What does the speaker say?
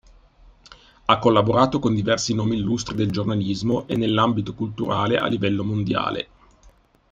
Ha collaborato con diversi nomi illustri del giornalismo e nell’ambito culturale a livello mondiale.